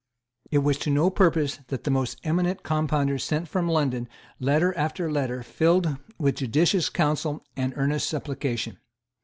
It was to no purpose that the most eminent Compounders sent from London letter after letter filled with judicious counsel and earnest supplication.